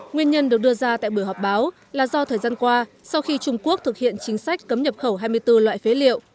nguyên nhân được đưa ra tại buổi họp báo là do thời gian qua sau khi trung quốc thực hiện chính sách cấm nhập khẩu hai mươi bốn loại phế liệu